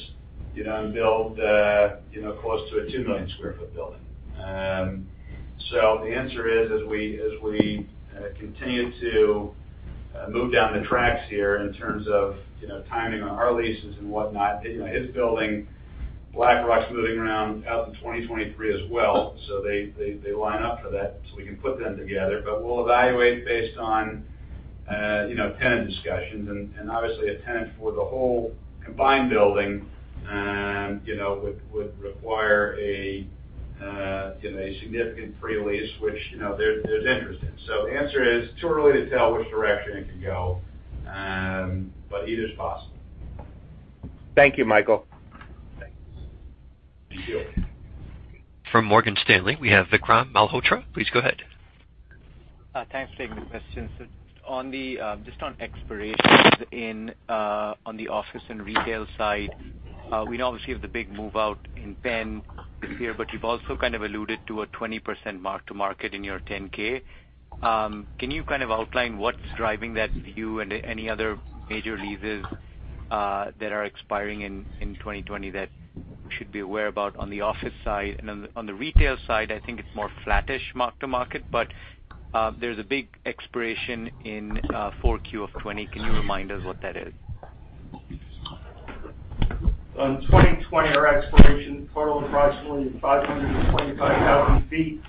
and build close to a 2 million sq ft building. The answer is as we continue to move down the tracks here in terms of timing on our leases and whatnot, his building, BlackRock's moving around out to 2023 as well, so they line up for that, so we can put them together but we'll evaluate based on tenant discussions, and obviously a tenant for the whole combined building would require a significant pre-lease, which there's interest in. The answer is, too early to tell which direction it could go but either is possible. Thank you, Michael. From Morgan Stanley, we have Vikram Malhotra. Please go ahead. Thanks for taking the questions. Just on expirations on the office and retail side, we know obviously of the big move out in Penn here, but you've also kind of alluded to a 20% mark-to-market in your 10-K. Can you kind of outline what's driving that view and any other major leases that are expiring in 2020 that we should be aware about on the office side? And on the retail side, I think it's more flattish mark-to-market, but there's a big expiration in Q4 of 2020 can you remind us what that is? On 2020, our expirations total approximately 525,000ft.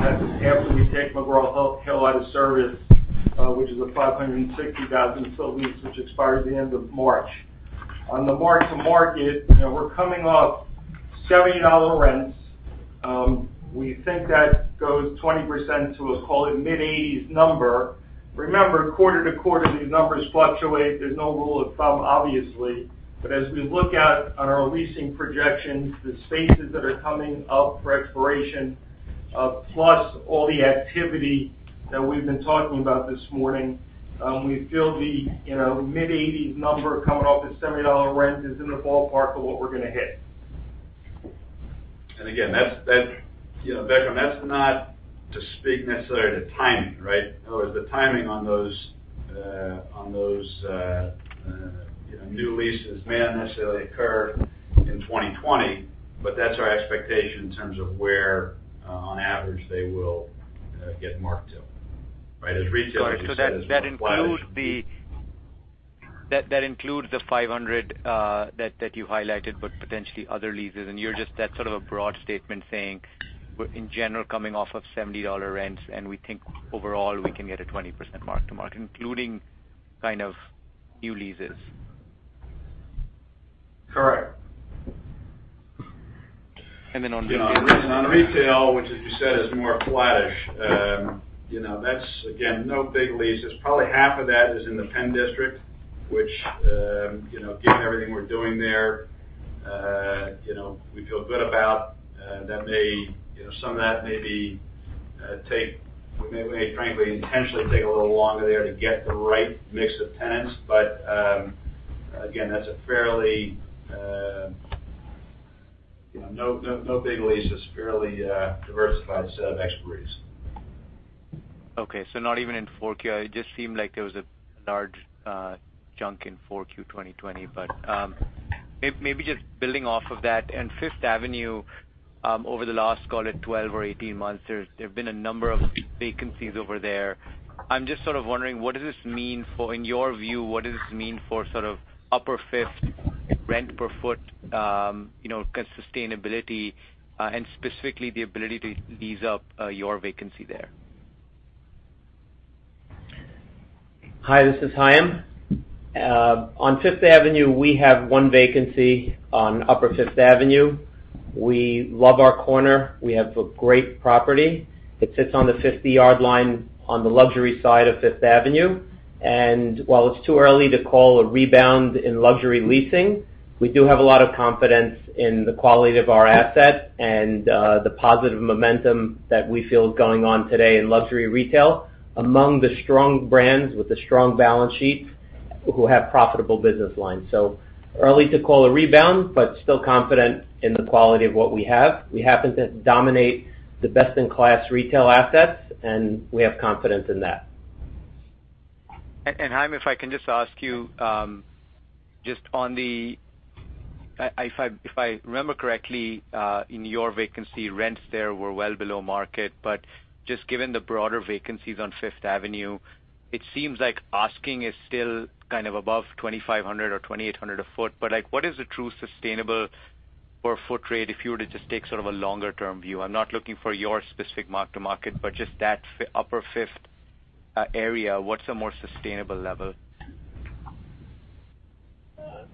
That's after we take McGraw-Hill out of service, which is a 560,000sq ft lease, which expires at the end of March. On the mark-to-market, we're coming off $70 rents. We think that goes 20% to a, call it, mid-$80s number. Remember, quarter-to-quarter, these numbers fluctuate there's no rule of thumb, obviously. As we look out on our leasing projections, the spaces that are coming up for expiration, plus all the activity that we've been talking about this morning, we feel the mid-$80s number coming off the $70 rent is in the ballpark of what we're going to hit. Again, Vikram, that's not to speak necessarily to timing, right? In other words, the timing on those new leases may not necessarily occur in 2020, but that's our expectation in terms of where, on average, they will get marked to. That includes the $500 million that you highlighted, but potentially other leases, and that's sort of a broad statement saying, in general, coming off of $70 rents, and we think overall we can get a 20% mark-to-market, including kind of new leases. Correct. On the retail side. On retail, which, as you said, is more flattish. That's, again, no big leases probably half of that is in the PENN District, which given everything we're doing there, we feel good about. Some of that may frankly intentionally take a little longer there to get the right mix of tenants. Again, no big leases, fairly diversified set of expiries. Okay, not even in Q4 It just seemed like there was a large chunk in Q4 2020, but maybe just building off of that in Fifth Avenue, over the last, call it, 12 or 18 months, there have been a number of vacancies over there. I'm just sort of wondering, in your view, what does this mean for sort of Upper Fifth rent per foot, sustainability, and specifically the ability to lease up your vacancy there? Hi, this is Haim. On Fifth Avenue, we have one vacancy on Upper Fifth Avenue. We love our corner. We have a great property. It sits on the 50-yard line on the luxury side of Fifth Avenue. While it's too early to call a rebound in luxury leasing- -we do have a lot of confidence in the quality of our asset and the positive momentum that we feel is going on today in luxury retail among the strong brands with the strong balance sheets who have profitable business lines. Early to call a rebound, but still confident in the quality of what we have. We happen to dominate the best-in-class retail assets, and we have confidence in that. Haim, if I can just ask you, if I remember correctly, in your vacancy, rents there were well below market. Just given the broader vacancies on Fifth Avenue, it seems like asking is still kind of above $2,500 or $2,800 a foot what is the true sustainable per foot rate if you were to just take sort of a longer-term view? I'm not looking for your specific mark-to-market, but just that Upper Fifth area what's a more sustainable level?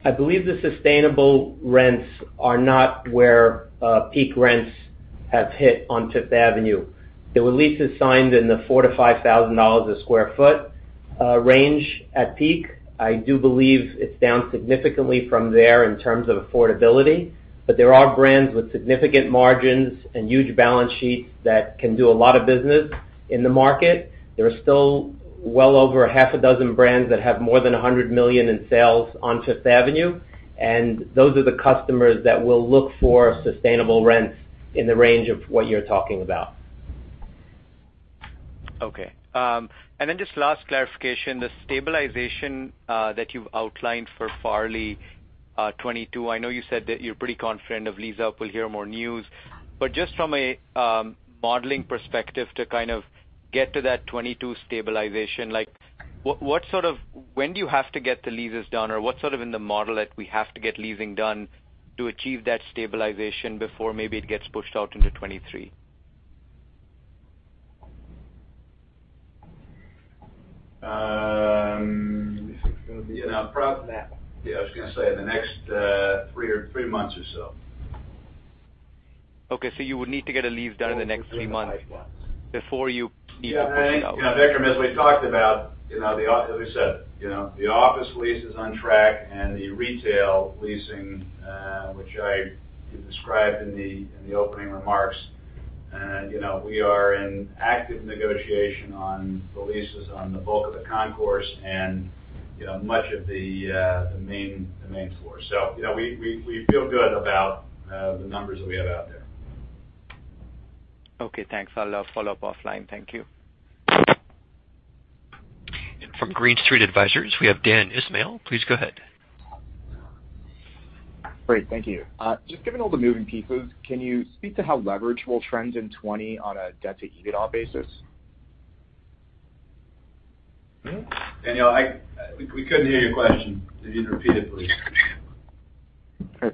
I believe the sustainable rents are not where peak rents have hit on Fifth Avenue. There were leases signed in the $4,000-$5,000 a square foot range at peak. I do believe it's down significantly from there in terms of affordability. There are brands with significant margins and huge balance sheets that can do a lot of business in the market. There are still well over a half a dozen brands that have more than $100 million in sales on Fifth Avenue, and those are the customers that will look for sustainable rents in the range of what you're talking about. Okay. Just last clarification, the stabilization that you've outlined for Farley 2022, I know you said that you're pretty confident of lease up we'll hear more news. Just from a modeling perspective to kind of get to that 2022 stabilization, when do you have to get the leases done? or what's sort of in the model that we have to get leasing done to achieve that stabilization before maybe it gets pushed out into 2023? I was going to say the next three months or so. Okay, you would need to get a lease done in the next three months. Before you Vikram, as we talked about, as we said, the office lease is on track and the retail leasing, which I described in the opening remarks, we are in active negotiation on the leases on the bulk of the concourse and much of the main floor so, we feel good about the numbers that we have out there. Okay, thanks. I'll follow up offline. Thank you. From Green Street Advisors, we have Danny Ismail. Please go ahead. Great. Thank you. Just given all the moving pieces, can you speak to how leverage will trend in 2020 on a debt to EBITDA basis? Danny, we couldn't hear your question. Could you repeat it, please?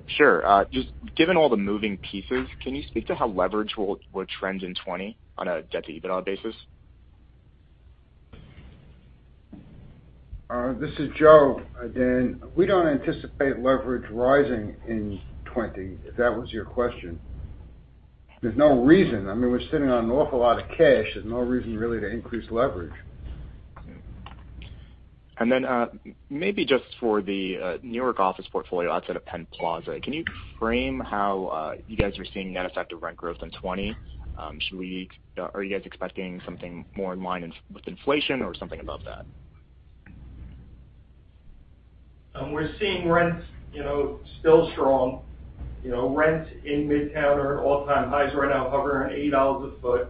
Sure. Just given all the moving pieces, can you speak to how leverage will trend in 2020 on a debt to EBITDA basis? This is Joe, Dan. We don't anticipate leverage rising in 2020, if that was your question. There's no reason i mean, we're sitting on an awful lot of cash. There's no reason really to increase leverage. Then, maybe just for the New York office portfolio outside of Penn Plaza, can you frame how you guys are seeing net effect of rent growth in 2020? Are you guys expecting something more in line with inflation or something above that? We're seeing rents still strong. Rents in Midtown are at all-time highs right now, hovering around $8 a foot.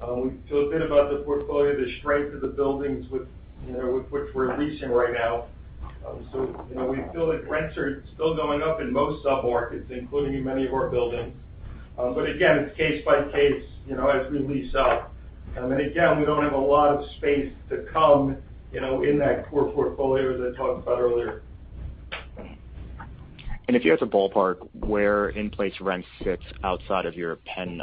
We feel good about the portfolio, the strength of the buildings with which we're leasing right now. We feel that rents are still going up in most sub-markets, including in many of our buildings. Again, it's case by case as we lease up. Again, we don't have a lot of space to come in that core portfolio that I talked about earlier. If you had to ballpark where in-place rent sits outside of your PENN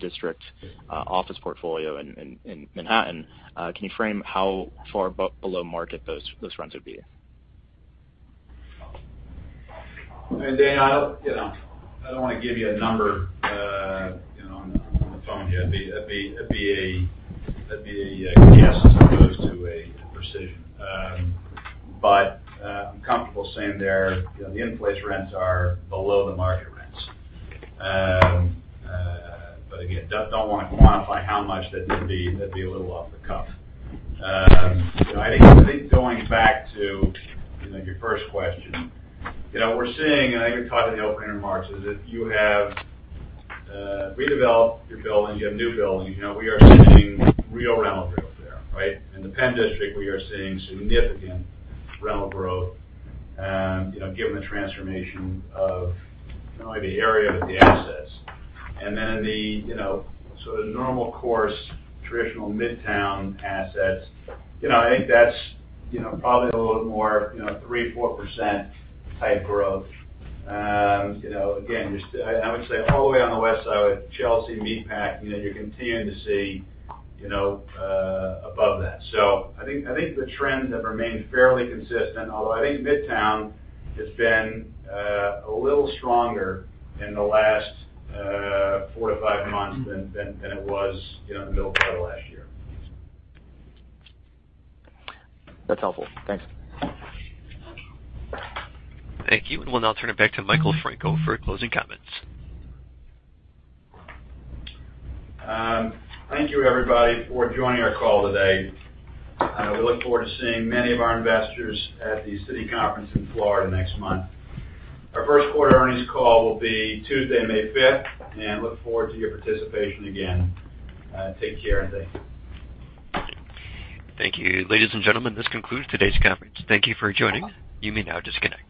District office portfolio in Manhattan, can you frame how far below market those rents would be? Danny, I don't want to give you a number on the phone that'd be a guess as opposed to a precision. I'm comfortable saying the in-place rents are below the market rents. Again, don't want to quantify how much that'd be a little off the cuff. I think going back to your first question, we're seeing, I think we talked in the opening remarks, is if you have redeveloped your buildings, you have new buildings, we are seeing real rental growth there, right? Then in the sort of normal course traditional Midtown assets, I think that's probably a little more 3%-4% type growth. Again, I would say all the way on the West Side with Chelsea, Meatpacking, you're continuing to see above that. I think the trends have remained fairly consistent, although I think Midtown has been a little stronger in the last four to five months than it was in the middle part of last year. That's helpful. Thanks. Thank you. We'll now turn it back to Michael Franco for closing comments. Thank you, everybody, for joining our call today. We look forward to seeing many of our investors at the Citi conference in Florida next month. Our Q1 earnings call will be Tuesday, 5 May, and look forward to your participation again. Take care, and thanks. Thank you. Ladies and gentlemen, this concludes today's conference. Thank you for joining. You may now disconnect.